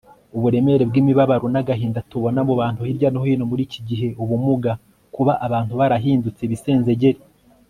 uburemere bw'imibabaro n'agahinda tubona mu bantu hirya no hino muri iki gihe, ubumuga, kuba abantu barahindutse ibisenzegeri